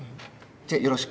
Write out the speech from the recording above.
じゃあよろしく。